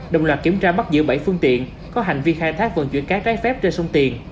đồng loạt kiểm tra bắt giữ bảy phương tiện có hành vi khai thác vận chuyển cát trái phép trên sông tiền